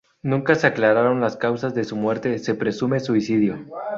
Nunca se aclararon las causas de su muerte, se presume suicidio.